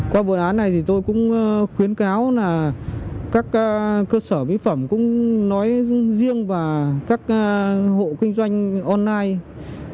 qua vụ án này thì tôi cũng khuyến cáo là các cơ sở mỹ phẩm cũng nói riêng và các hộ kinh doanh online